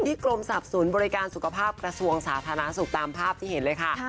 กรมสรรพศูนย์บริการสุขภาพกระทรวงสาธารณสุขตามภาพที่เห็นเลยค่ะ